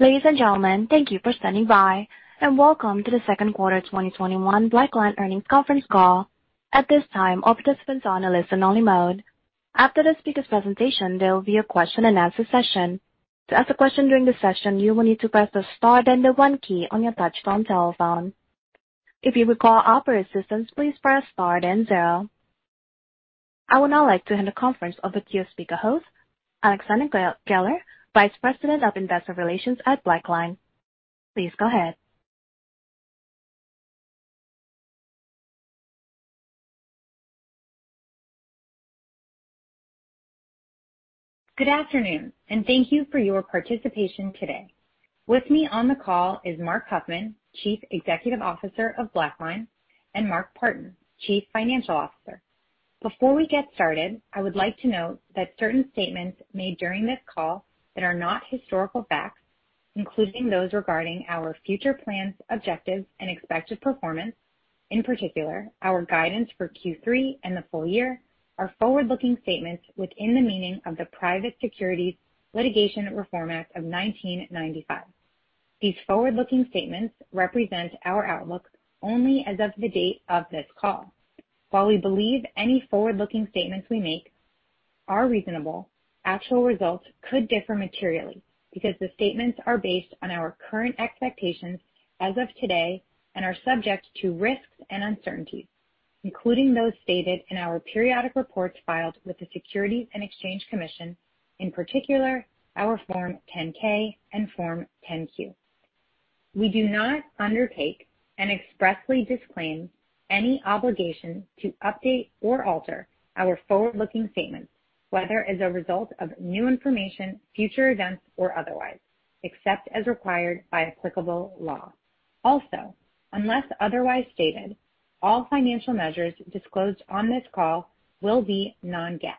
Ladies and gentlemen, thank you for standing by. Welcome to the second quarter 2021 BlackLine earnings conference call. After the speaker's presentation, there will be a question and answer session. I would now like to hand the conference over to your speaker host, Alexandra Geller, Vice President of Investor Relations at BlackLine. Please go ahead. Good afternoon, and thank you for your participation today. With me on the call is Marc Huffman, Chief Executive Officer of BlackLine, and Mark Partin, Chief Financial Officer. Before we get started, I would like to note that certain statements made during this call that are not historical facts, including those regarding our future plans, objectives, and expected performance, in particular, our guidance for Q3 and the full year, are forward-looking statements within the meaning of the Private Securities Litigation Reform Act of 1995. These forward-looking statements represent our outlook only as of the date of this call. While we believe any forward-looking statements we make are reasonable, actual results could differ materially because the statements are based on our current expectations as of today and are subject to risks and uncertainties, including those stated in our periodic reports filed with the Securities and Exchange Commission, in particular, our Form 10-K and Form 10-Q. We do not undertake and expressly disclaim any obligation to update or alter our forward-looking statements, whether as a result of new information, future events, or otherwise, except as required by applicable law. Unless otherwise stated, all financial measures disclosed on this call will be non-GAAP.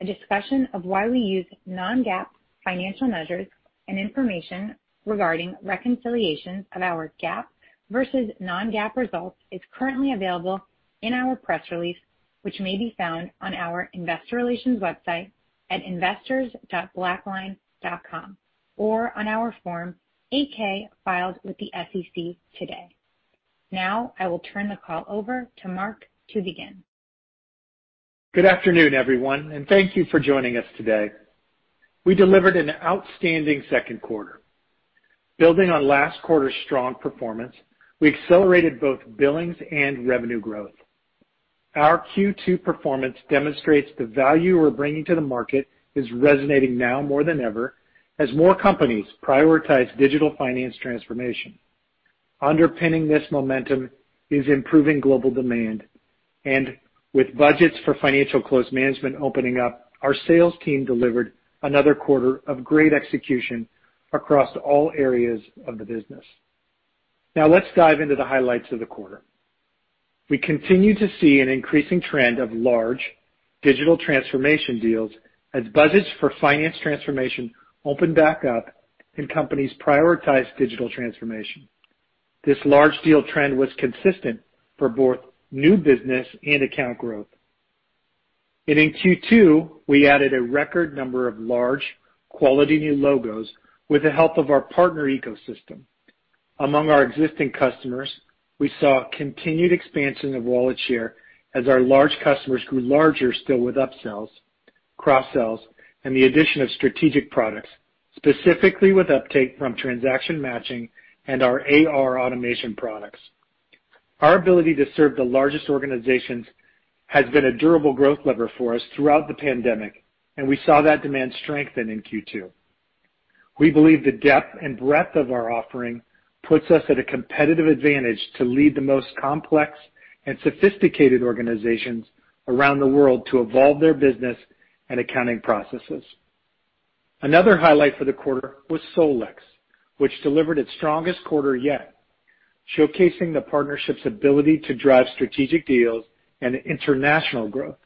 A discussion of why we use non-GAAP financial measures and information regarding reconciliations of our GAAP versus non-GAAP results is currently available in our press release, which may be found on our investor relations website at investors.blackline.com or on our Form 8-K filed with the SEC today. Now, I will turn the call over to Marc to begin. Good afternoon, everyone, and thank thank you for joining us today. We delivered an outstanding second quarter. Building on last quarter's strong performance, we accelerated both billings and revenue growth. Our Q2 performance demonstrates the value we're bringing to the market is resonating now more than ever, as more companies prioritize digital finance transformation. Underpinning this momentum is improving global demand. With budgets for financial close management opening up, our sales team delivered another quarter of great execution across all areas of the business. Now, let's dive into the highlights of the quarter. We continue to see an increasing trend of large digital transformation deals as budgets for finance transformation open back up and companies prioritize digital transformation. This large deal trend was consistent for both new business and account growth. In Q2, we added a record number of large quality new logos with the help of our partner ecosystem. Among our existing customers, we saw continued expansion of wallet share as our large customers grew larger still with upsells, cross-sells, and the addition of strategic products, specifically with uptake from Transaction Matching and our AR automation products. Our ability to serve the largest organizations has been a durable growth lever for us throughout the pandemic, and we saw that demand strengthen in Q2. We believe the depth and breadth of our offering puts us at a competitive advantage to lead the most complex and sophisticated organizations around the world to evolve their business and accounting processes. Another highlight for the quarter was SolEx, which delivered its strongest quarter yet, showcasing the partnership's ability to drive strategic deals and international growth.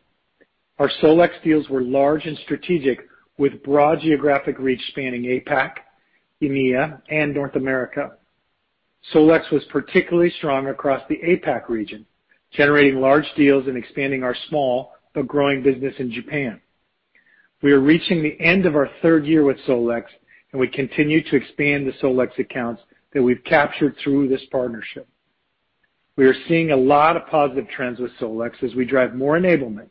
Our SolEx deals were large and strategic, with broad geographic reach spanning APAC, EMEA, and North America. SolEx was particularly strong across the APAC region, generating large deals and expanding our small but growing business in Japan. We are reaching the end of our third year with SolEx. We continue to expand the SolEx accounts that we've captured through this partnership. We are seeing a lot of positive trends with SolEx as we drive more enablement,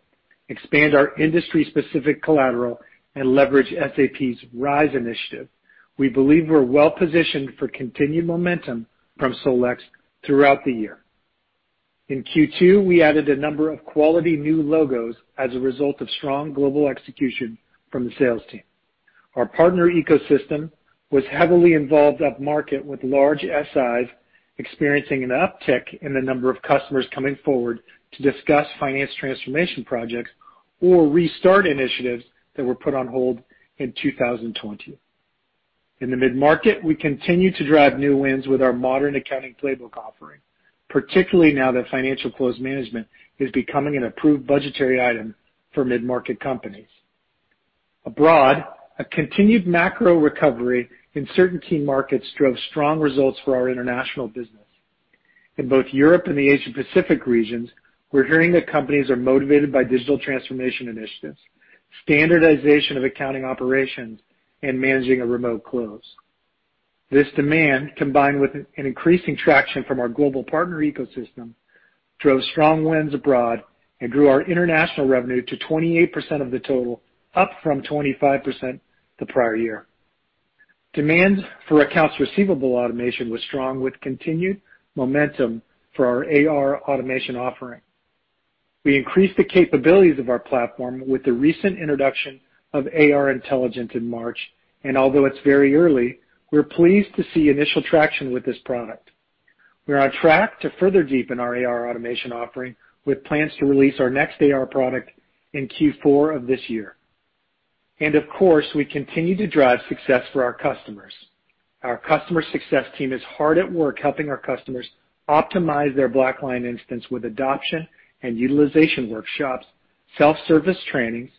expand our industry-specific collateral, and leverage SAP's RISE initiative. We believe we're well positioned for continued momentum from SolEx throughout the year. In Q2, we added a number of quality new logos as a result of strong global execution from the sales team. Our partner ecosystem was heavily involved up market with large SIs experiencing an uptick in the number of customers coming forward to discuss finance transformation projects or restart initiatives that were put on hold in 2020. In the mid-market, we continue to drive new wins with our Modern Accounting Playbook offering, particularly now that financial close management is becoming an approved budgetary item for mid-market companies. Abroad, a continued macro recovery in certain key markets drove strong results for our international business. In both Europe and the Asia Pacific regions, we're hearing that companies are motivated by digital transformation initiatives, standardization of accounting operations, and managing a remote close. This demand, combined with an increasing traction from our global partner ecosystem, drove strong wins abroad and grew our international revenue to 28% of the total, up from 25% the prior year. Demand for accounts receivable automation was strong with continued momentum for our AR automation offering. We increased the capabilities of our platform with the recent introduction of AR Intelligence in March, and although it's very early, we're pleased to see initial traction with this product. We are on track to further deepen our AR automation offering with plans to release our next AR product in Q4 of this year. Of course, we continue to drive success for our customers. Our customer success team is hard at work helping our customers optimize their BlackLine instance with adoption and utilization workshops, self-service trainings,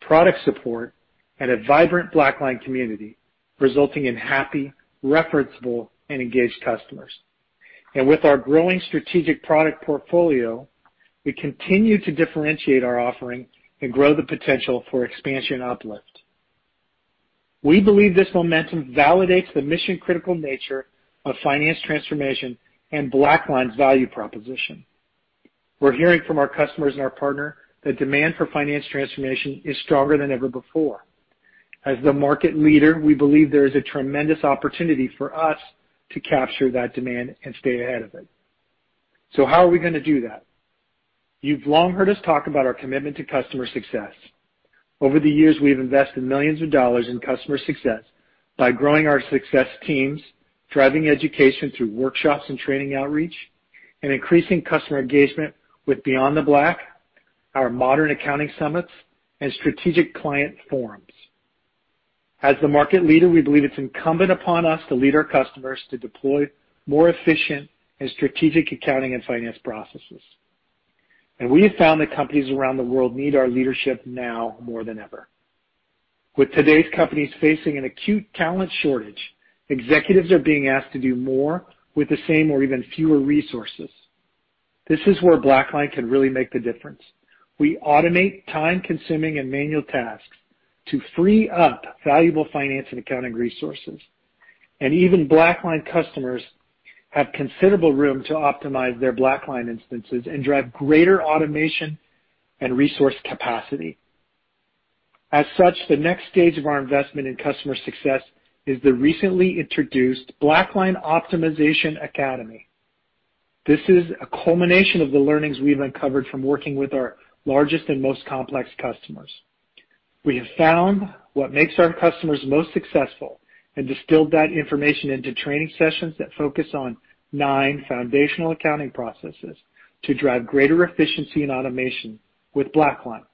product support, and a vibrant BlackLine community, resulting in happy, referenceable, and engaged customers. With our growing strategic product portfolio, we continue to differentiate our offering and grow the potential for expansion uplift. We believe this momentum validates the mission-critical nature of finance transformation and BlackLine's value proposition. We're hearing from our customers and our partner that demand for finance transformation is stronger than ever before. As the market leader, we believe there is a tremendous opportunity for us to capture that demand and stay ahead of it. How are we going to do that? You've long heard us talk about our commitment to customer success. Over the years, we've invested millions of dollars in customer success by growing our success teams, driving education through workshops and training outreach, and increasing customer engagement with BeyondTheBlack, our modern accounting summits, and strategic client forums. As the market leader, we believe it's incumbent upon us to lead our customers to deploy more efficient and strategic accounting and finance processes. We have found that companies around the world need our leadership now more than ever. With today's companies facing an acute talent shortage, executives are being asked to do more with the same or even fewer resources. This is where BlackLine can really make the difference. We automate time-consuming and manual tasks to free up valuable finance and accounting resources. Even BlackLine customers have considerable room to optimize their BlackLine instances and drive greater automation and resource capacity. As such, the next stage of our investment in customer success is the recently introduced BlackLine Optimization Academy. This is a culmination of the learnings we've uncovered from working with our largest and most complex customers. We have found what makes our customers most successful and distilled that information into training sessions that focus on nine foundational accounting processes to drive greater efficiency and automation with BlackLine.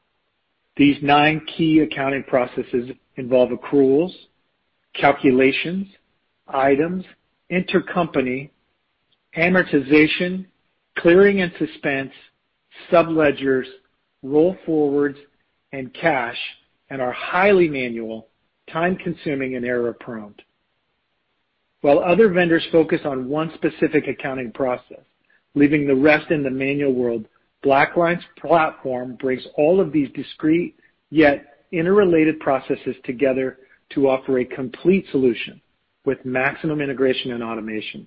These nine key accounting processes involve accruals, calculations, items, intercompany, amortization, clearing and suspense, subledgers, roll forwards, and cash, and are highly manual, time-consuming, and error-prone. While other vendors focus on one specific accounting process, leaving the rest in the manual world, BlackLine's platform brings all of these discrete yet interrelated processes together to offer a complete solution with maximum integration and automation.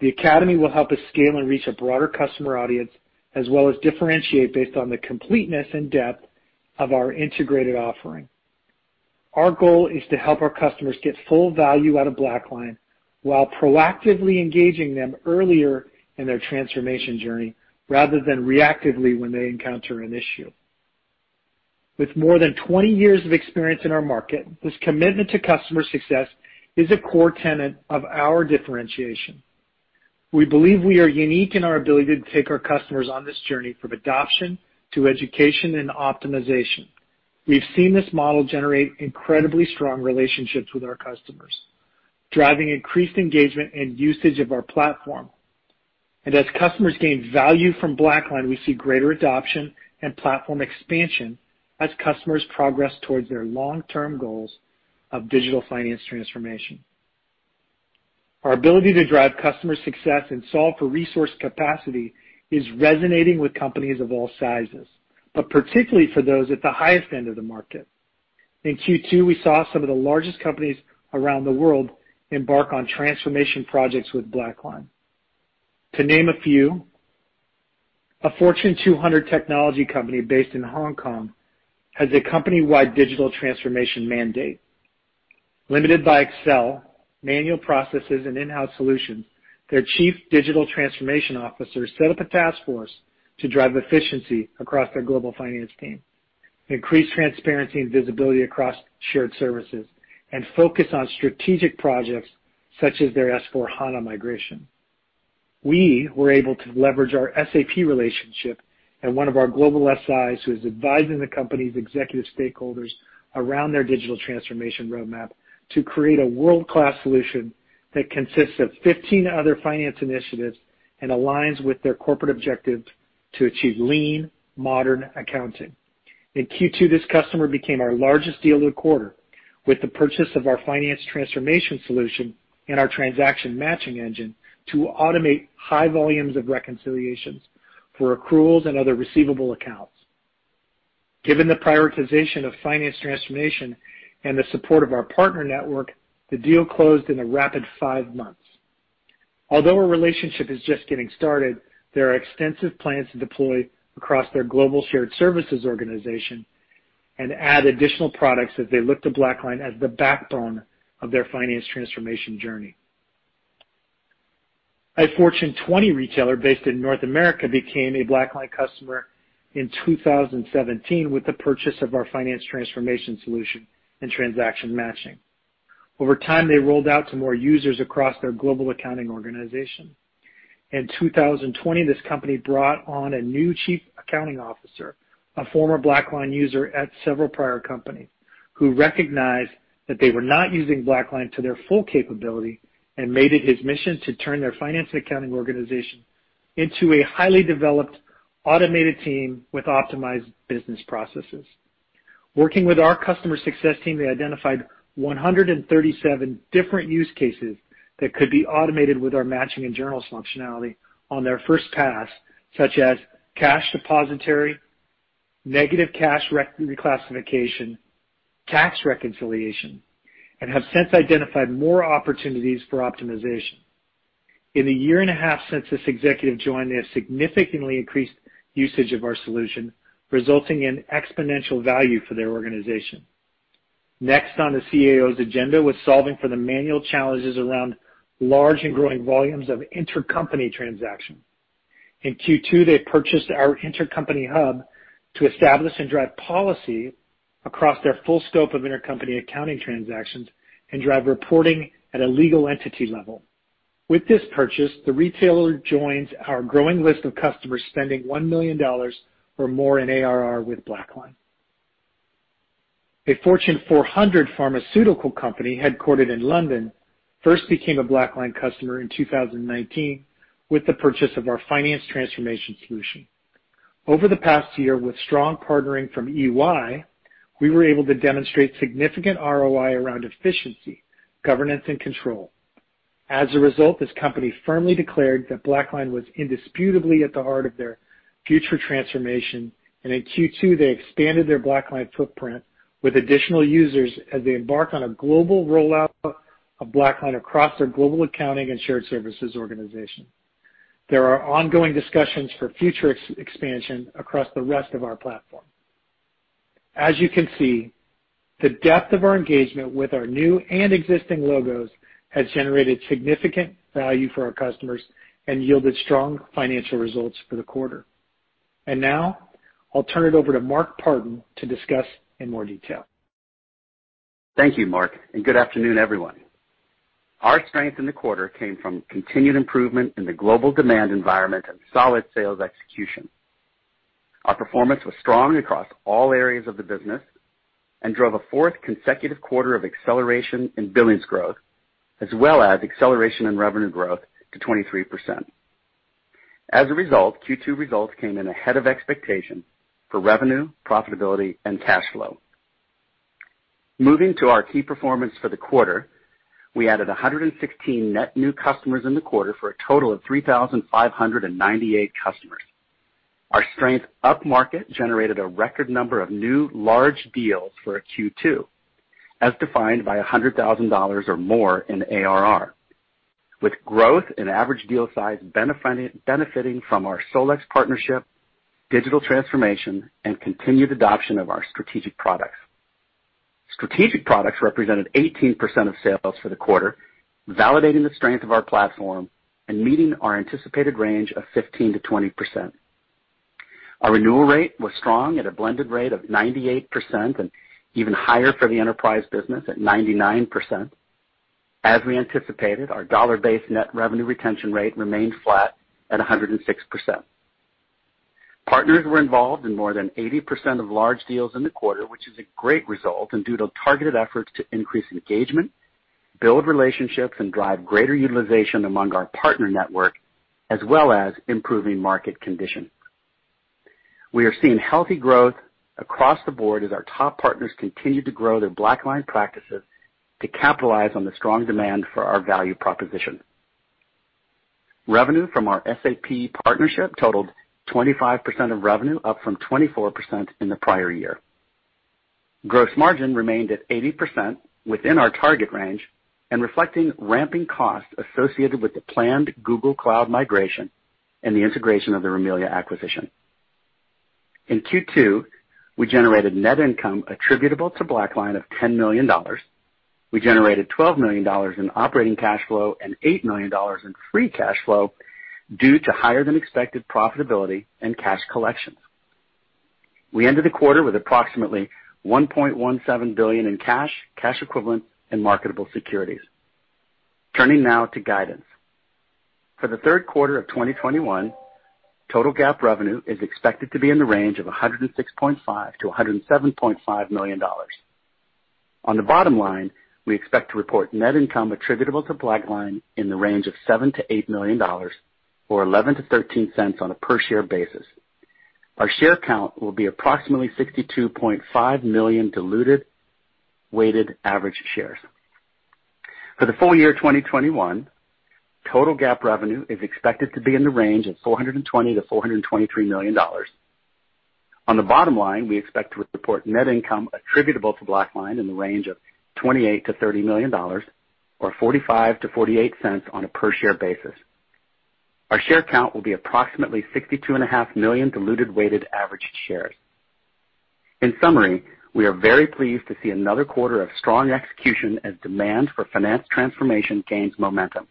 The Academy will help us scale and reach a broader customer audience, as well as differentiate based on the completeness and depth of our integrated offering. Our goal is to help our customers get full value out of BlackLine while proactively engaging them earlier in their transformation journey rather than reactively when they encounter an issue. With more than 20 years of experience in our market, this commitment to customer success is a core tenet of our differentiation. We believe we are unique in our ability to take our customers on this journey from adoption to education and optimization. We've seen this model generate incredibly strong relationships with our customers, driving increased engagement and usage of our platform. As customers gain value from BlackLine, we see greater adoption and platform expansion as customers progress towards their long-term goals of digital finance transformation. Our ability to drive customer success and solve for resource capacity is resonating with companies of all sizes, but particularly for those at the highest end of the market. In Q2, we saw some of the largest companies around the world embark on transformation projects with BlackLine. To name a few, a Fortune 200 technology company based in Hong Kong has a company-wide digital transformation mandate. Limited by Excel, manual processes, and in-house solutions, their Chief Digital Transformation Officer set up a task force to drive efficiency across their global finance team, increase transparency and visibility across shared services, and focus on strategic projects such as their S/4HANA migration. We were able to leverage our SAP relationship and one of our global SIs who is advising the company's executive stakeholders around their digital transformation roadmap to create a world-class solution that consists of 15 other finance initiatives and aligns with their corporate objectives to achieve lean, modern accounting. In Q2, this customer became our largest deal of the quarter with the purchase of our finance transformation solution and our Transaction Matching engine to automate high volumes of reconciliations for accruals and other receivable accounts. Given the prioritization of finance transformation and the support of our partner network, the deal closed in a rapid five months. Although our relationship is just getting started, there are extensive plans to deploy across their global shared services organization and add additional products as they look to BlackLine as the backbone of their finance transformation journey. A Fortune 20 retailer based in North America became a BlackLine customer in 2017 with the purchase of our finance transformation solution and Transaction Matching. Over time, they rolled out to more users across their global accounting organization. In 2020, this company brought on a new Chief Accounting Officer, a former BlackLine user at several prior companies, who recognized that they were not using BlackLine to their full capability and made it his mission to turn their finance and accounting organization into a highly developed, automated team with optimized business processes. Working with our customer success team, they identified 137 different use cases that could be automated with our matching and journals functionality on their first pass, such as cash depositary, negative cash reclassification, tax reconciliation, and have since identified more opportunities for optimization. In the year and a half since this executive joined, they have significantly increased usage of our solution, resulting in exponential value for their organization. Next on the CAO's agenda was solving for the manual challenges around large and growing volumes of intercompany transactions. In Q2, they purchased our Intercompany Hub to establish and drive policy across their full scope of intercompany accounting transactions and drive reporting at a legal entity level. With this purchase, the retailer joins our growing list of customers spending $1 million or more in ARR with BlackLine. A Fortune 400 pharmaceutical company headquartered in London first became a BlackLine customer in 2019 with the purchase of our finance transformation solution. Over the past year, with strong partnering from EY, we were able to demonstrate significant ROI around efficiency, governance, and control. As a result, this company firmly declared that BlackLine was indisputably at the heart of their future transformation, and in Q2, they expanded their BlackLine footprint with additional users as they embark on a global rollout of BlackLine across their global accounting and shared services organization. There are ongoing discussions for future expansion across the rest of our platform. As you can see, the depth of our engagement with our new and existing logos has generated significant value for our customers and yielded strong financial results for the quarter. Now, I'll turn it over to Mark Partin to discuss in more detail. Thank you, Mark, and good afternoon, everyone. Our strength in the quarter came from continued improvement in the global demand environment and solid sales execution. Our performance was strong across all areas of the business and drove a fourth consecutive quarter of acceleration in billings growth, as well as acceleration in revenue growth to 23%. As a result, Q2 results came in ahead of expectation for revenue, profitability and cash flow. Moving to our key performance for the quarter, we added 116 net new customers in the quarter for a total of 3,598 customers. Our strength upmarket generated a record number of new large deals for a Q2, as defined by $100,000 or more in ARR. With growth in average deal size benefiting from our SolEx partnership, digital transformation, and continued adoption of our strategic products. Strategic products represented 18% of sales for the quarter, validating the strength of our platform and meeting our anticipated range of 15%-20%. Our renewal rate was strong at a blended rate of 98% and even higher for the enterprise business at 99%. As we anticipated, our dollar-based net revenue retention rate remained flat at 106%. Partners were involved in more than 80% of large deals in the quarter, which is a great result and due to targeted efforts to increase engagement, build relationships, and drive greater utilization among our partner network, as well as improving market conditions. We are seeing healthy growth across the board as our top partners continue to grow their BlackLine practices to capitalize on the strong demand for our value proposition. Revenue from our SAP partnership totaled 25% of revenue, up from 24% in the prior year. Gross margin remained at 80%, within our target range and reflecting ramping costs associated with the planned Google Cloud migration and the integration of the Rimilia acquisition. In Q2, we generated net income attributable to BlackLine of $10 million. We generated $12 million in operating cash flow and $8 million in free cash flow due to higher than expected profitability and cash collections. We ended the quarter with approximately $1.17 billion in cash equivalent, and marketable securities. Turning now to guidance. For the third quarter of 2021, total GAAP revenue is expected to be in the range of $106.5 million-$107.5 million. On the bottom line, we expect to report net income attributable to BlackLine in the range of $7 million-$8 million, or $0.11-$0.13 on a per share basis. Our share count will be approximately 62.5 million diluted weighted average shares. For the full year 2021, total GAAP revenue is expected to be in the range of $420 million-$423 million. On the bottom line, we expect to report net income attributable to BlackLine in the range of $28 million-$30 million or $0.45-$0.48 on a per share basis. Our share count will be approximately 62.5 million diluted weighted average shares. In summary, we are very pleased to see another quarter of strong execution as demand for finance transformation gains momentum.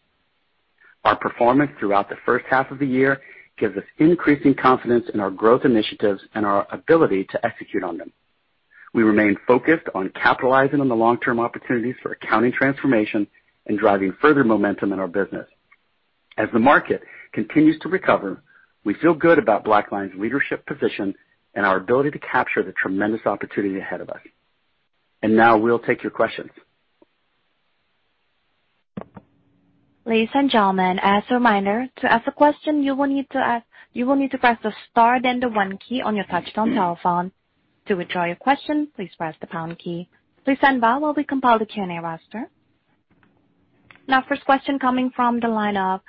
Our performance throughout the first half of the year gives us increasing confidence in our growth initiatives and our ability to execute on them. We remain focused on capitalizing on the long-term opportunities for accounting transformation and driving further momentum in our business. As the market continues to recover, we feel good about BlackLine's leadership position and our ability to capture the tremendous opportunity ahead of us. Now we'll take your questions. Now first question coming from the line of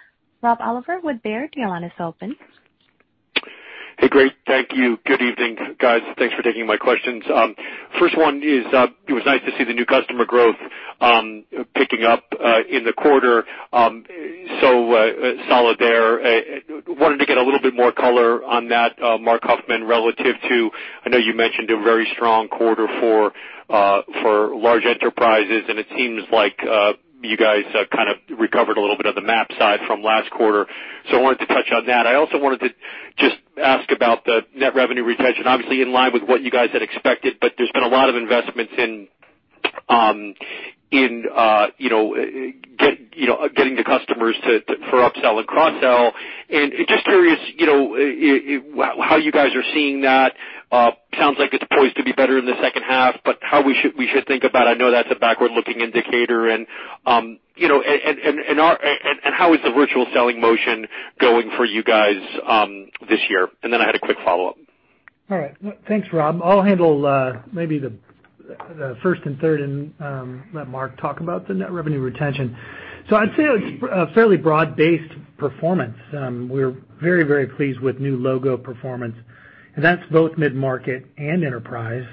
Rob Oliver with Baird. Your line is open. Hey, great. Thank you. Good evening, guys. Thanks for taking my questions. First one is, it was nice to see the new customer growth picking up in the quarter, so solid there. Wanted to get a little bit more color on that, Marc Huffman, relative to, I know you mentioned a very strong quarter for large enterprises, and it seems like you guys kind of recovered a little bit of the MAP side from last quarter, so I wanted to touch on that. I also wanted to just ask about the net revenue retention, obviously in line with what you guys had expected. There's been a lot of investments in getting the customers for upsell and cross-sell. Just curious how you guys are seeing that. Sounds like it's poised to be better in the second half. How we should think about it. I know that's a backward-looking indicator, and how is the virtual selling motion going for you guys this year? I had a quick follow-up. All right. Thanks, Rob. I'll handle maybe the first and third, and let Mark talk about the net revenue retention. I'd say it's a fairly broad-based performance. We're very, very pleased with new logo performance, and that's both mid-market and enterprise.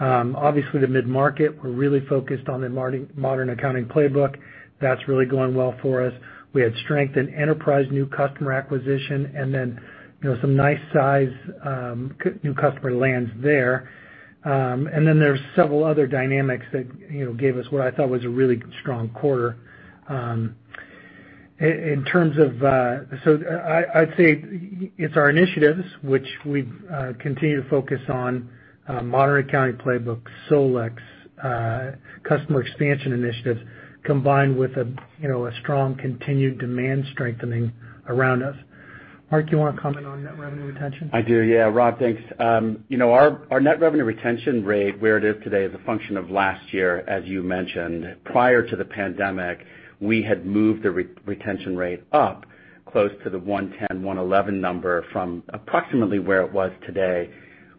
Obviously, the mid-market, we're really focused on the Modern Accounting Playbook. That's really going well for us. We had strength in enterprise new customer acquisition, and then some nice size new customer lands there. There's several other dynamics that gave us what I thought was a really strong quarter. I'd say it's our initiatives, which we continue to focus on, Modern Accounting Playbook, SolEx, customer expansion initiatives, combined with a strong continued demand strengthening around us. Mark, you want to comment on net revenue retention? I do, yeah. Rob, thanks. Our net revenue retention rate, where it is today, is a function of last year, as you mentioned. Prior to the pandemic, we had moved the retention rate up close to the 110, 111 number from approximately where it was today.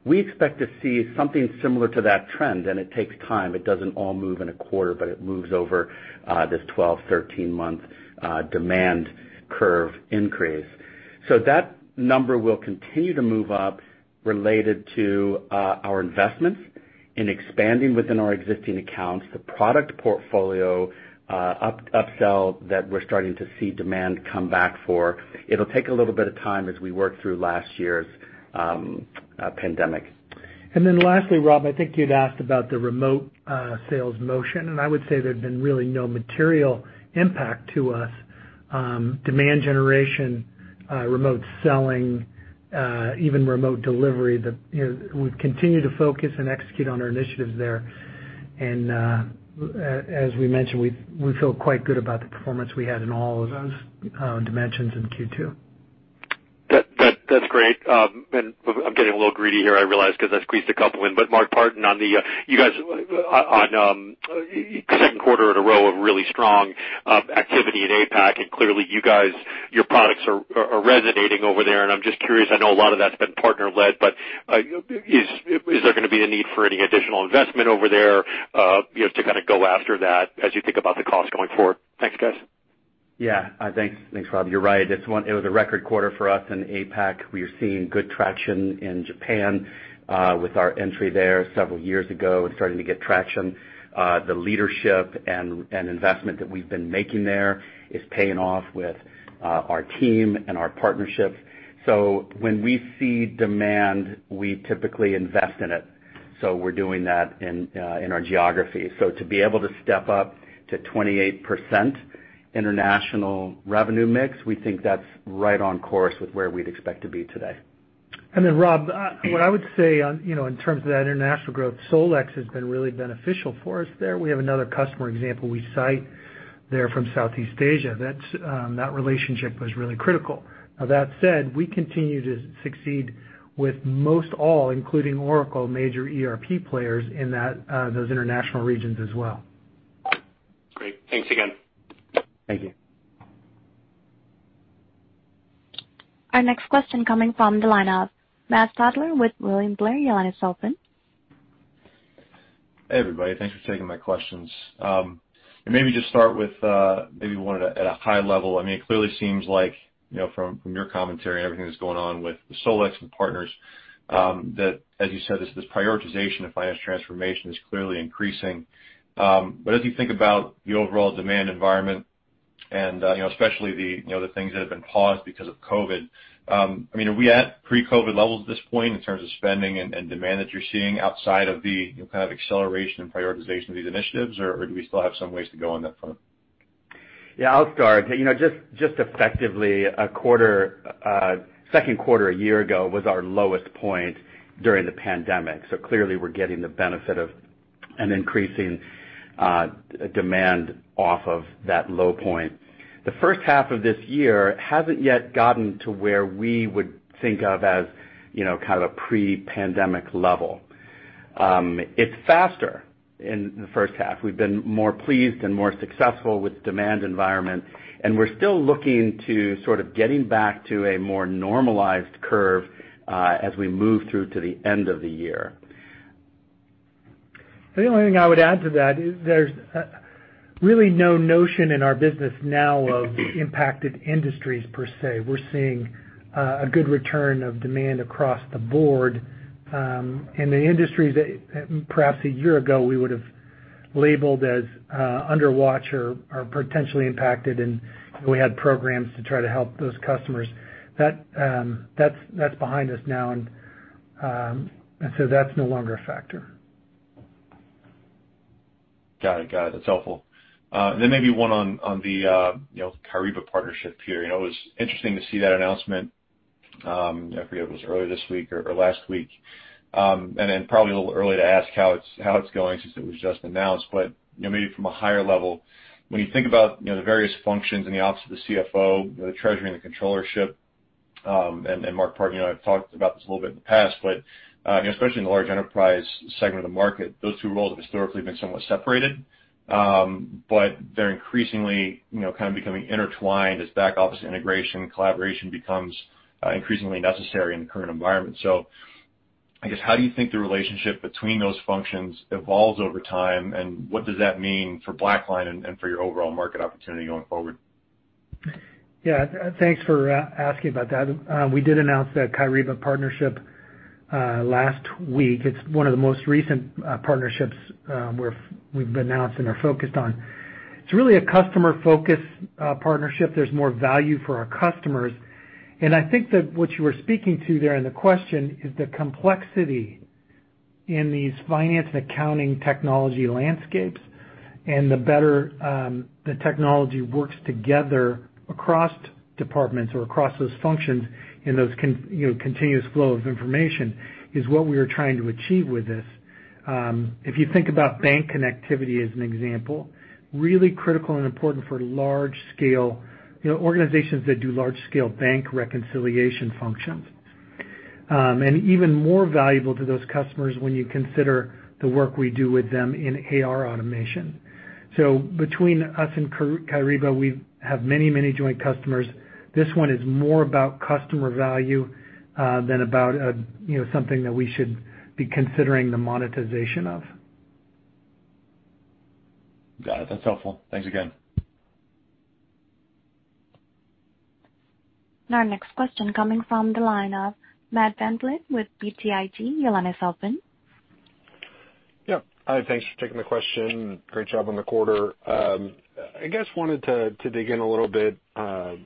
We expect to see something similar to that trend, and it takes time. It doesn't all move in a quarter, but it moves over this 12, 13-month demand curve increase. That number will continue to move up related to our investments in expanding within our existing accounts, the product portfolio upsell that we're starting to see demand come back for. It'll take a little bit of time as we work through last year's pandemic. Lastly, Rob, I think you'd asked about the remote sales motion, and I would say there's been really no material impact to us. Demand generation, remote selling, even remote delivery, we've continued to focus and execute on our initiatives there. As we mentioned, we feel quite good about the performance we had in all of those dimensions in Q2. That's great. I'm getting a little greedy here, I realize, because I squeezed a couple in. Mark Partin, on the second quarter in a row of really strong activity at APAC, and clearly you guys, your products are resonating over there, and I'm just curious, I know a lot of that's been partner-led, but is there going to be a need for any additional investment over there to go after that as you think about the cost going forward? Thanks, guys. Yeah. Thanks, Rob. You're right. It was a record quarter for us in APAC. We are seeing good traction in Japan with our entry there several years ago. It's starting to get traction. The leadership and investment that we've been making there is paying off with our team and our partnerships. When we see demand, we typically invest in it. We're doing that in our geography. To be able to step up to 28% international revenue mix, we think that's right on course with where we'd expect to be today. Rob, what I would say in terms of that international growth, SolEx has been really beneficial for us there. We have another customer example we cite. There from Southeast Asia. That relationship was really critical. That said, we continue to succeed with most all, including Oracle, major ERP players in those international regions as well. Great. Thanks again. Thank you. Our next question coming from the line of Matt Stotler with William Blair. Your line is open. Hey, everybody. Thanks for taking my questions. Maybe just start with one at a high level. It clearly seems like, from your commentary and everything that's going on with the SolEx and partners, that as you said, this prioritization of finance transformation is clearly increasing. As you think about the overall demand environment and especially the things that have been paused because of COVID, are we at pre-COVID levels at this point in terms of spending and demand that you're seeing outside of the kind of acceleration and prioritization of these initiatives, or do we still have some ways to go on that front? Yeah, I'll start. Just effectively, second quarter a year ago was our lowest point during the pandemic. Clearly we're getting the benefit of an increasing demand off of that low point. The first half of this year hasn't yet gotten to where we would think of as kind of a pre-pandemic level. It's faster in the first half. We've been more pleased and more successful with demand environment, we're still looking to sort of getting back to a more normalized curve, as we move through to the end of the year. The only thing I would add to that is there's really no notion in our business now of impacted industries per se. We're seeing a good return of demand across the board, and the industries that perhaps a year ago we would've labeled as under watch or potentially impacted, and we had programs to try to help those customers. That's behind us now, and so that's no longer a factor. Got it. That's helpful. Maybe one on the Kyriba partnership here. It was interesting to see that announcement, I forget if it was earlier this week or last week. Probably a little early to ask how it's going since it was just announced, maybe from a higher level, when you think about the various functions in the office of the CFO, the treasury and the controllership, Mark Partin, I've talked about this a little bit in the past, especially in the large enterprise segment of the market, those two roles have historically been somewhat separated. They're increasingly becoming intertwined as back office integration, collaboration becomes increasingly necessary in the current environment. I guess, how do you think the relationship between those functions evolves over time, and what does that mean for BlackLine and for your overall market opportunity going forward? Yeah. Thanks for asking about that. We did announce that Kyriba partnership last week. It is one of the most recent partnerships we have announced and are focused on. It is really a customer-focused partnership. There is more value for our customers, and I think that what you were speaking to there in the question is the complexity in these finance and accounting technology landscapes. The better the technology works together across departments or across those functions in those continuous flow of information is what we are trying to achieve with this. If you think about bank connectivity as an example, really critical and important for large-scale organizations that do large-scale bank reconciliation functions. Even more valuable to those customers when you consider the work we do with them in AR automation. Between us and Kyriba, we have many joint customers. This one is more about customer value, than about something that we should be considering the monetization of. Got it. That's helpful. Thanks again. Our next question coming from the line of Matt VanVliet with BTIG. Your line is open. Yep. Hi, thanks for taking the question. Great job on the quarter. I guess wanted to dig in a little bit. Marc,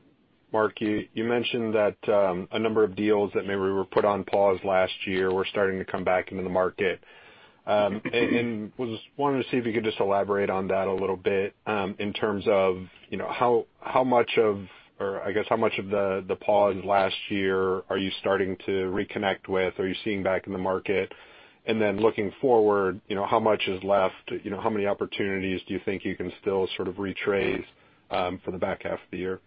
you mentioned that a number of deals that maybe were put on pause last year were starting to come back into the market. Was wanting to see if you could just elaborate on that a little bit, in terms of how much of, or I guess how much of the pause last year are you starting to reconnect with? Are you seeing back in the market? Looking forward, how much is left? How many opportunities do you think you can still sort of retrace, for the back half of the year?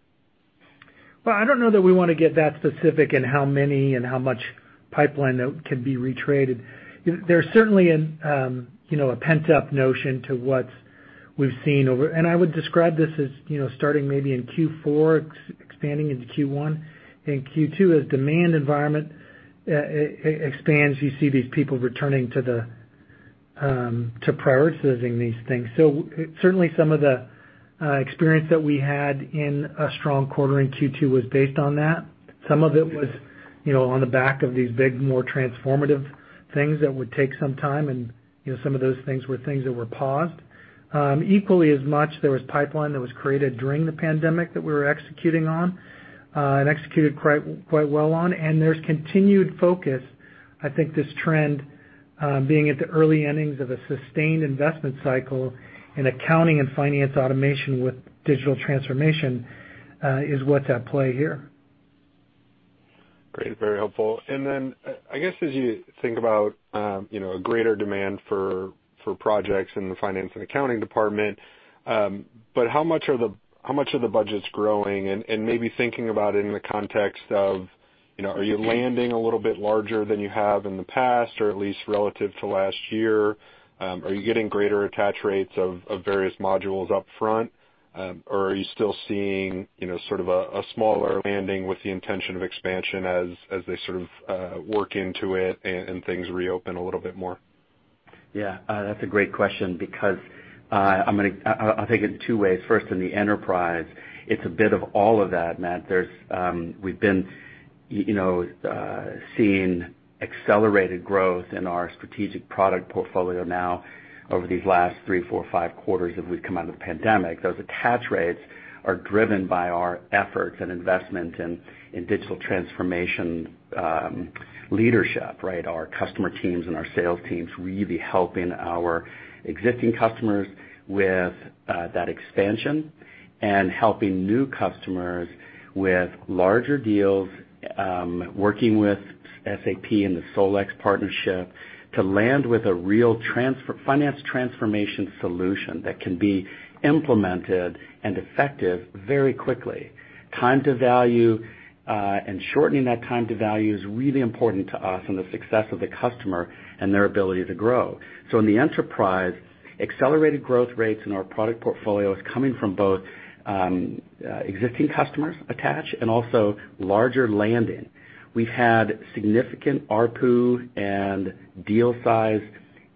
Well, I don't know that we want to get that specific in how many and how much pipeline that could be retraded. There's certainly a pent-up notion to what we've seen. I would describe this as starting maybe in Q4, expanding into Q1 and Q2. Demand environment expands, you see these people returning to prioritizing these things. Certainly some of the experience that we had in a strong quarter in Q2 was based on that. Some of it was on the back of these big, more transformative things that would take some time and some of those things were things that were paused. Equally as much, there was pipeline that was created during the pandemic that we were executing on, and executed quite well on, and there's continued focus. I think this trend, being at the early innings of a sustained investment cycle in accounting and finance automation with digital transformation, is what's at play here. Great, very helpful. I guess as you think about a greater demand for projects in the finance and accounting department, but how much are the budgets growing and maybe thinking about it in the context of, are you landing a little bit larger than you have in the past, or at least relative to last year? Are you getting greater attach rates of various modules up front? Are you still seeing sort of a smaller landing with the intention of expansion as they sort of work into it and things reopen a little bit more? Yeah. That's a great question because I'll take it in two ways. First, in the enterprise, it's a bit of all of that, Matt. We've been seeing accelerated growth in our strategic product portfolio now over these last three, four, five quarters as we've come out of the pandemic. Those attach rates are driven by our efforts and investment in digital transformation leadership. Our customer teams and our sales teams really helping our existing customers with that expansion and helping new customers with larger deals, working with SAP and the SolEx partnership to land with a real finance transformation solution that can be implemented and effective very quickly. Time to value and shortening that time to value is really important to us and the success of the customer and their ability to grow. In the enterprise, accelerated growth rates in our product portfolio is coming from both existing customers attach and also larger landing. We've had significant ARPU and deal size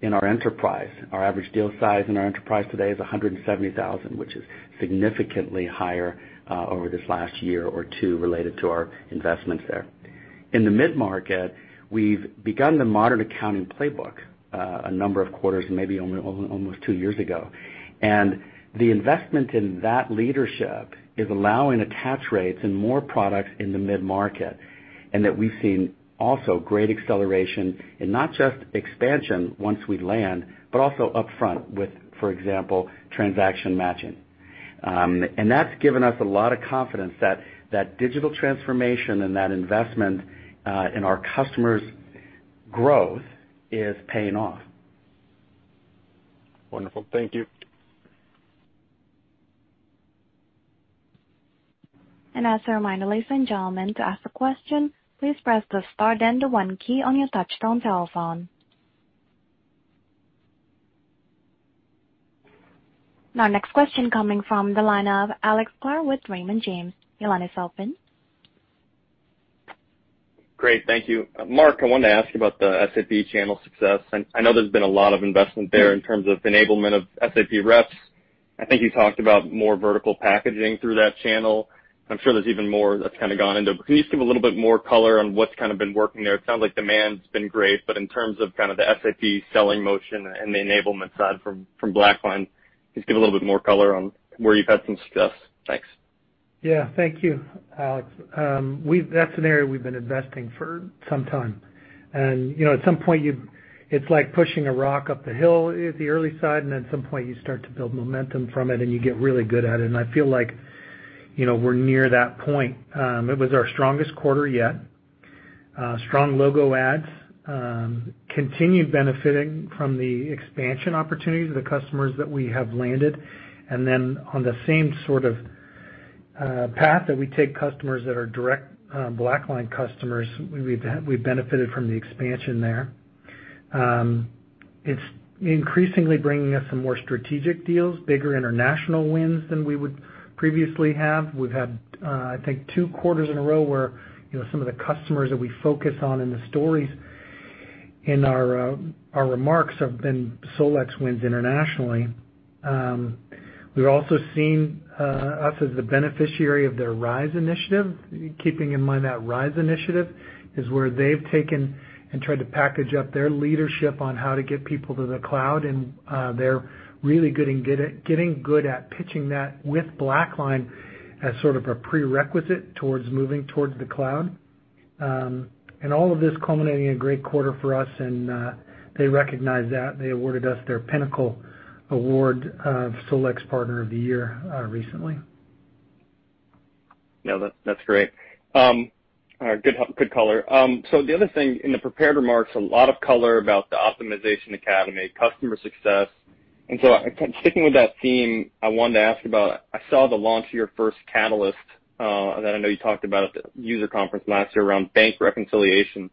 in our enterprise. Our average deal size in our enterprise today is $170,000, which is significantly higher over this last year or two related to our investments there. In the mid-market, we've begun the Modern Accounting Playbook, a number of quarters, maybe almost two years ago. The investment in that leadership is allowing attach rates and more products in the mid-market, and that we've seen also great acceleration in not just expansion once we land, but also upfront with, for example, Transaction Matching. That's given us a lot of confidence that digital transformation and that investment in our customers' growth is paying off. Wonderful. Thank you. As a reminder, ladies and gentlemen, to ask a question, please press the star then the 1 key on your touchtone telephone. Our next question coming from the line of Alex Sklar with Raymond James. Great. Thank you. Mark, I wanted to ask you about the SAP channel success. I know there's been a lot of investment there in terms of enablement of SAP reps. I think you talked about more vertical packaging through that channel. I'm sure there's even more that's kind of gone into. Can you just give a little bit more color on what's kind of been working there? It sounds like demand's been great, but in terms of kind of the SAP selling motion and the enablement side from BlackLine, just give a little bit more color on where you've had some success. Thanks. Thank you, Alex. That's an area we've been investing for some time. At some point, it's like pushing a rock up the hill at the early side, and at some point, you start to build momentum from it and you get really good at it. I feel like we're near that point. It was our strongest quarter yet. Strong logo adds, continued benefiting from the expansion opportunities of the customers that we have landed. On the same sort of path that we take customers that are direct BlackLine customers, we benefited from the expansion there. It's increasingly bringing us some more strategic deals, bigger international wins than we would previously have. We've had, I think, two quarters in a row where some of the customers that we focus on in the stories in our remarks have been SolEx wins internationally. We've also seen us as the beneficiary of their RISE initiative, keeping in mind that RISE initiative is where they've taken and tried to package up their leadership on how to get people to the cloud. They're really getting good at pitching that with BlackLine as sort of a prerequisite towards moving towards the cloud. All of this culminating a great quarter for us and they recognized that. They awarded us their Pinnacle Award of SolEx Partner of the Year recently. No, that's great. Good color. The other thing in the prepared remarks, a lot of color about the BlackLine Optimization Academy, customer success. Sticking with that theme, I wanted to ask about, I saw the launch of your first catalyst, that I know you talked about at the user conference last year, around bank reconciliation.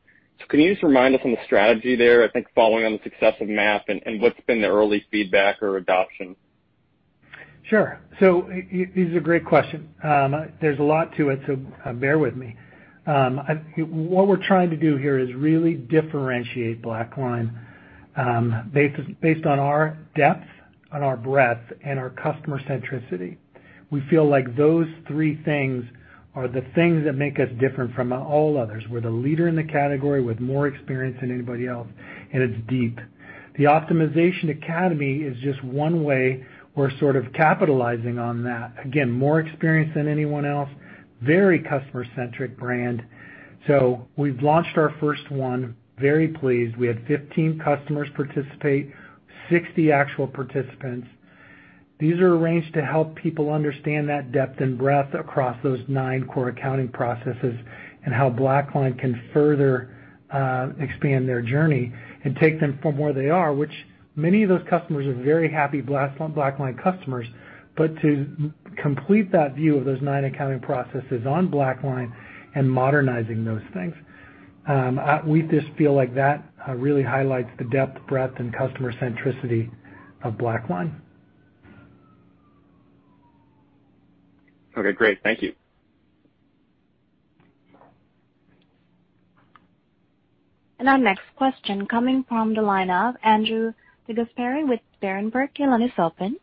Can you just remind us on the strategy there, I think following on the success of MAP and what's been the early feedback or adoption? Sure. These are great questions. There's a lot to it, so bear with me. What we're trying to do here is really differentiate BlackLine, based on our depth and our breadth and our customer centricity. We feel like those three things are the things that make us different from all others. We're the leader in the category with more experience than anybody else, and it's deep. The Optimization Academy is just one way we're sort of capitalizing on that. Again, more experience than anyone else, very customer-centric brand. We've launched our first one, very pleased. We had 15 customers participate, 60 actual participants. These are arranged to help people understand that depth and breadth across those nine core accounting processes, and how BlackLine can further expand their journey and take them from where they are, which many of those customers are very happy BlackLine customers, but to complete that view of those nine accounting processes on BlackLine and modernizing those things. We just feel like that really highlights the depth, breadth, and customer centricity of BlackLine. Okay, great. Thank you. Our next question coming from the line of Andrew DeGasperi with Berenberg. Your line is open.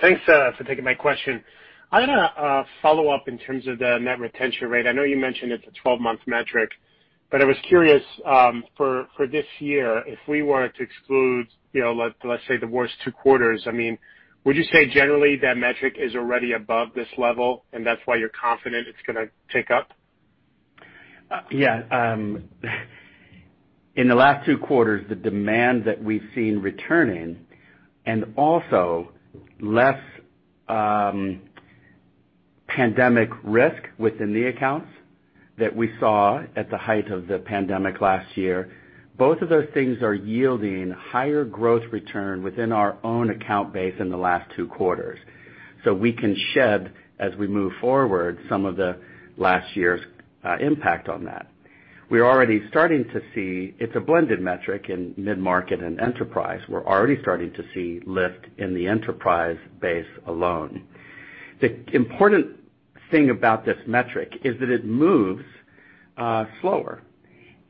Thanks for taking my question. I had a follow-up in terms of the Net Retention Rate. I know you mentioned it's a 12-month metric, but I was curious for this year, if we were to exclude, let's say the worst two quarters, would you say generally that metric is already above this level and that's why you're confident it's going to tick up? In the last two quarters, the demand that we've seen returning, and also less pandemic risk within the accounts that we saw at the height of the pandemic last year, both of those things are yielding higher growth return within our own account base in the last two quarters. We can shed, as we move forward, some of the last year's impact on that. We're already starting to see it's a blended metric in mid-market and enterprise. We're already starting to see lift in the enterprise base alone. The important thing about this metric is that it moves slower.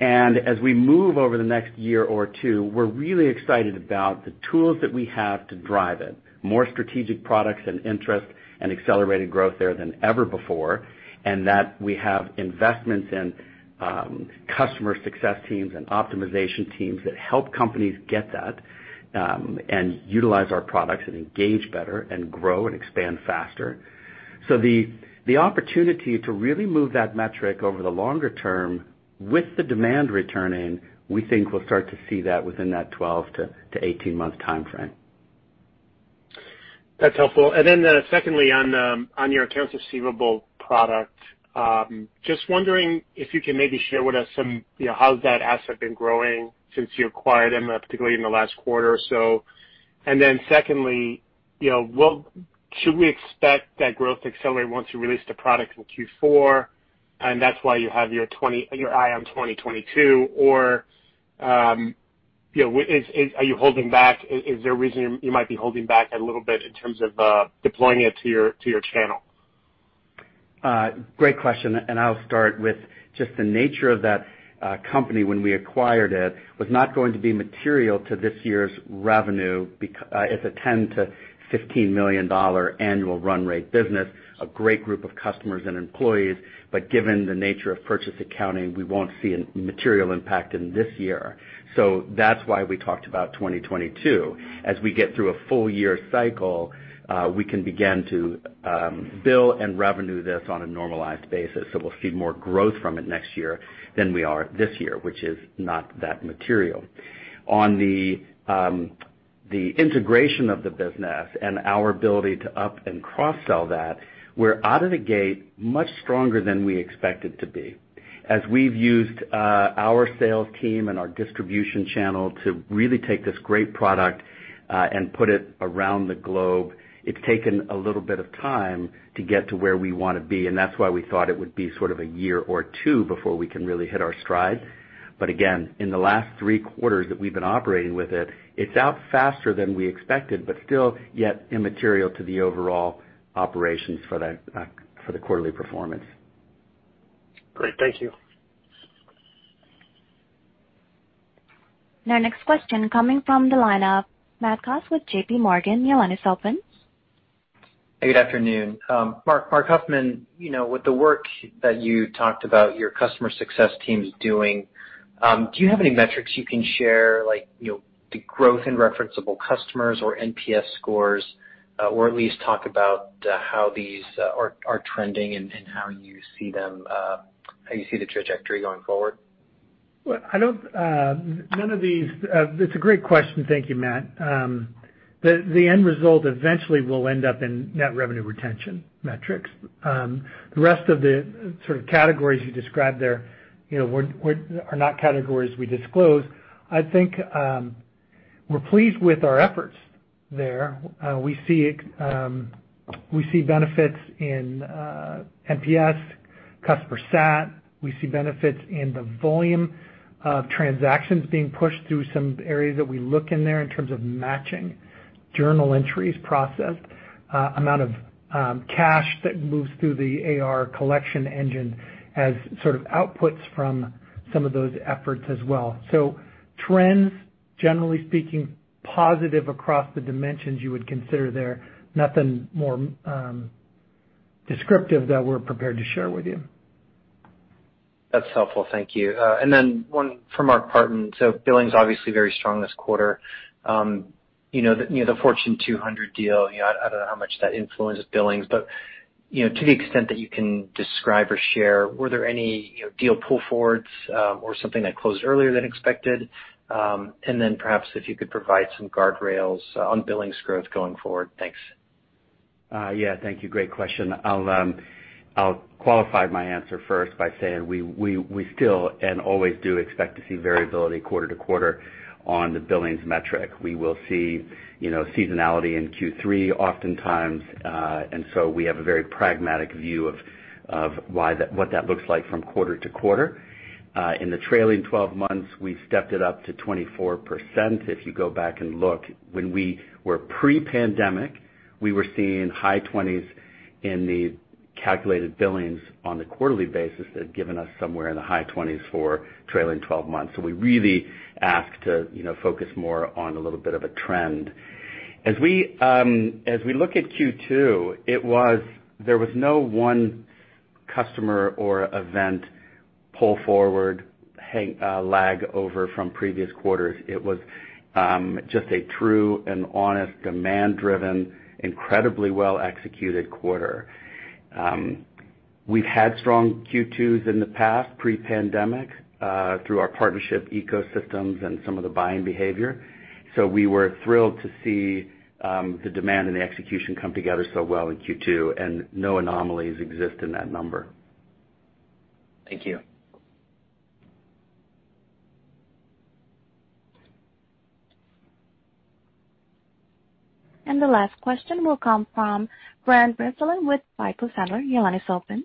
As we move over the next year or two, we're really excited about the tools that we have to drive it. More strategic products and interest and accelerated growth there than ever before, and that we have investments in customer success teams and optimization teams that help companies get that, and utilize our products, and engage better, and grow and expand faster. The opportunity to really move that metric over the longer term with the demand returning, we think we'll start to see that within that 12 to 18 month timeframe. That's helpful. Secondly, on your accounts receivable product, just wondering if you can maybe share with us how's that asset been growing since you acquired them, particularly in the last quarter or so. Secondly, should we expect that growth to accelerate once you release the product in Q4, and that's why you have your eye on 2022, or are you holding back? Is there a reason you might be holding back a little bit in terms of deploying it to your channel? Great question. I'll start with just the nature of that company when we acquired it, was not going to be material to this year's revenue. It's a $10 million-$15 million annual run rate business, a great group of customers and employees, but given the nature of purchase accounting, we won't see a material impact in this year. That's why we talked about 2022. As we get through a full year cycle, we can begin to bill and revenue this on a normalized basis. We'll see more growth from it next year than we are this year, which is not that material. On the integration of the business and our ability to up and cross-sell that, we're out of the gate much stronger than we expected to be. As we've used our sales team and our distribution channel to really take this great product and put it around the globe, it's taken a little bit of time to get to where we want to be. That's why we thought it would be sort of a year or two before we can really hit our stride. Again, in the last three quarters that we've been operating with it's out faster than we expected, but still yet immaterial to the overall operations for the quarterly performance. Great. Thank you. Now next question coming from the line of Matt Coss with JPMorgan. Your line is open. Good afternoon. Marc Huffman. With the work that you talked about your customer success teams doing, do you have any metrics you can share, like the growth in referenceable customers or NPS scores, or at least talk about how these are trending and how you see the trajectory going forward? Well, it's a great question. Thank you, Matt. The end result eventually will end up in net revenue retention metrics. The rest of the sort of categories you described there are not categories we disclose. I think we're pleased with our efforts there. We see benefits in NPS, customer sat. We see benefits in the volume of transactions being pushed through some areas that we look in there in terms of matching journal entries processed, amount of cash that moves through the AR collection engine as sort of outputs from some of those efforts as well. Trends, generally speaking, positive across the dimensions you would consider there. Nothing more descriptive that we're prepared to share with you. That's helpful. Thank you. Then one from Mark Partin. Billings obviously very strong this quarter. The Fortune 200 deal, I don't know how much that influences billings, but to the extent that you can describe or share, were there any deal pull forwards or something that closed earlier than expected? Then perhaps if you could provide some guardrails on billings growth going forward. Thanks. Thank you. Great question. I'll qualify my answer first by saying we still, and always do, expect to see variability quarter-to-quarter on the billings metric. We will see seasonality in Q3 oftentimes, we have a very pragmatic view of what that looks like from quarter-to-quarter. In the trailing 12 months, we've stepped it up to 24%. If you go back and look when we were pre-pandemic, we were seeing high 20s in the calculated billings on a quarterly basis that had given us somewhere in the high 20s for trailing 12 months. We really ask to focus more on a little bit of a trend. As we look at Q2, there was no one customer or event pull forward, lag over from previous quarters. It was just a true and honest, demand-driven, incredibly well-executed quarter. We've had strong Q2s in the past, pre-pandemic, through our partnership ecosystems and some of the buying behavior. We were thrilled to see the demand and the execution come together so well in Q2. No anomalies exist in that number. Thank you. The last question will come from Brent Bracelin with Piper Sandler. Your line is open.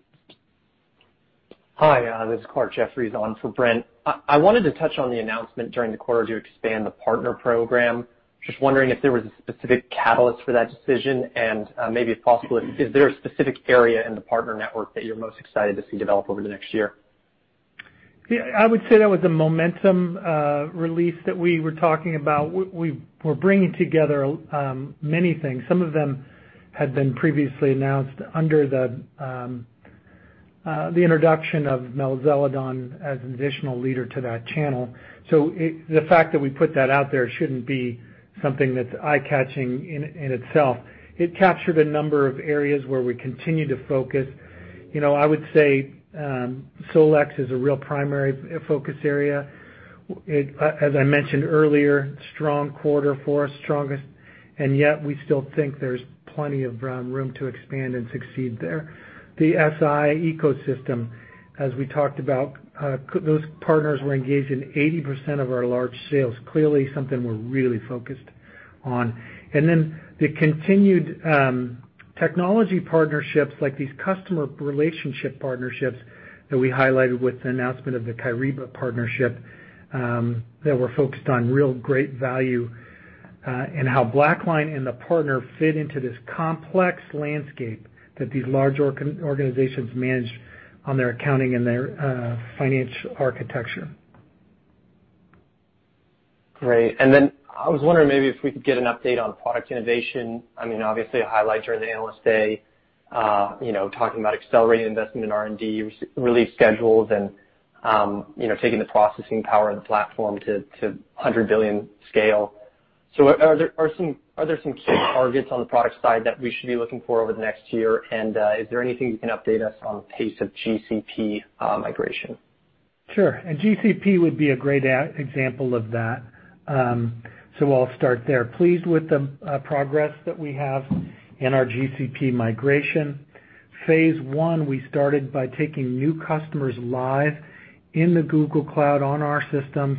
Hi, this is Clarke Jeffries on for Brent. I wanted to touch on the announcement during the quarter to expand the partner program. Just wondering if there was a specific catalyst for that decision, and maybe if possible, is there a specific area in the partner network that you're most excited to see develop over the next one year? Yeah, I would say that was a momentum release that we were talking about. We're bringing together many things. Some of them had been previously announced under the introduction of Mel Zeledon as an additional leader to that channel. The fact that we put that out there shouldn't be something that's eye-catching in itself. It captured a number of areas where we continue to focus. I would say SolEx is a real primary focus area. As I mentioned earlier, strong quarter for us, strongest, and yet we still think there's plenty of room to expand and succeed there. The SI ecosystem, as we talked about, those partners were engaged in 80% of our large sales. Clearly something we're really focused on. The continued technology partnerships like these customer relationship partnerships that we highlighted with the announcement of the Kyriba partnership, that we're focused on real great value in how BlackLine and the partner fit into this complex landscape that these large organizations manage on their accounting and their finance architecture. Great. I was wondering maybe if we could get an update on product innovation. Obviously, a highlight during the Analyst Day, talking about accelerating investment in R&D, release schedules, and taking the processing power of the platform to 100 billion scale. Are there some key targets on the product side that we should be looking for over the next year? Is there anything you can update us on pace of GCP migration? Sure. GCP would be a great example of that, so I'll start there. Pleased with the progress that we have in our GCP migration. Phase I, we started by taking new customers live in the Google Cloud on our systems.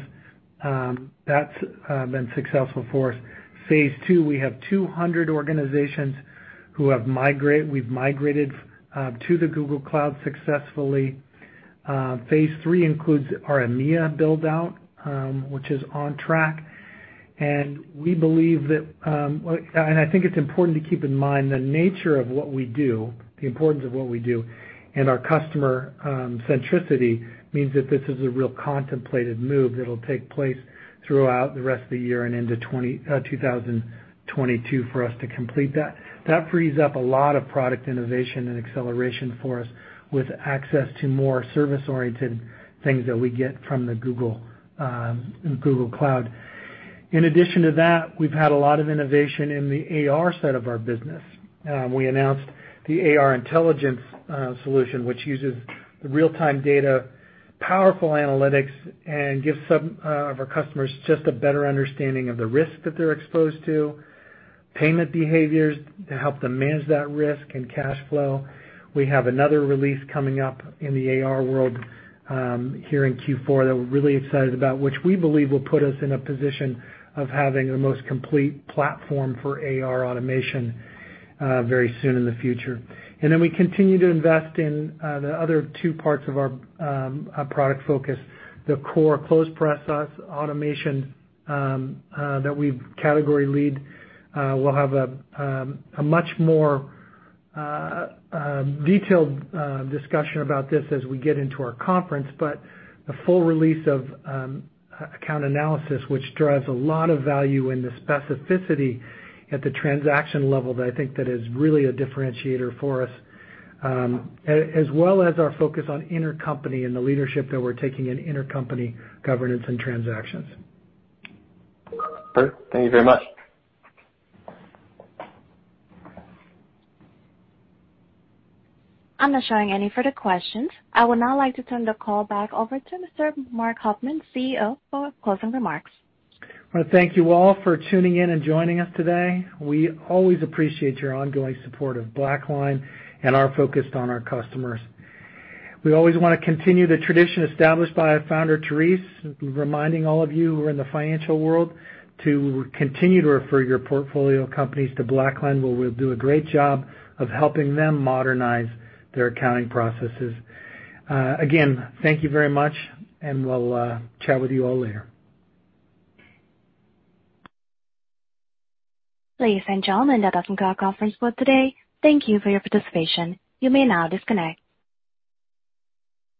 That's been successful for us. Phase II, we have 200 organizations who we've migrated to the Google Cloud successfully. Phase III includes our EMEA build-out, which is on track. I think it's important to keep in mind the nature of what we do, the importance of what we do, and our customer centricity means that this is a real contemplated move that'll take place throughout the rest of the year and into 2022 for us to complete that. That frees up a lot of product innovation and acceleration for us with access to more service-oriented things that we get from the Google Cloud. In addition to that, we've had a lot of innovation in the AR side of our business. We announced the AR Intelligence solution, which uses the real-time data, powerful analytics, and gives some of our customers just a better understanding of the risk that they're exposed to, payment behaviors to help them manage that risk and cash flow. We have another release coming up in the AR world here in Q4 that we're really excited about, which we believe will put us in a position of having the most complete platform for AR automation very soon in the future. We continue to invest in the other two parts of our product focus, the core close process automation that we've category lead. We'll have a much more detailed discussion about this as we get into our conference. The full release of Account Analysis, which drives a lot of value in the specificity at the transaction level that I think that is really a differentiator for us, as well as our focus on intercompany and the leadership that we're taking in intercompany governance and transactions. Sure. Thank you very much. I'm not showing any further questions. I would now like to turn the call back over to Mr. Marc Huffman, CEO, for closing remarks. I want to thank you all for tuning in and joining us today. We always appreciate your ongoing support of BlackLine and our focus on our customers. We always want to continue the tradition established by our founder, Therese, reminding all of you who are in the financial world to continue to refer your portfolio companies to BlackLine, where we'll do a great job of helping them modernize their accounting processes. Again, thank you very much, and we'll chat with you all later. Ladies and gentlemen, that does conclude our conference call today. Thank you for your participation. You may now disconnect.